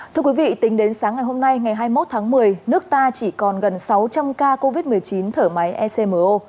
thưa quý vị tính đến sáng ngày hôm nay ngày hai mươi một tháng một mươi nước ta chỉ còn gần sáu trăm linh ca covid một mươi chín thở máy ecmo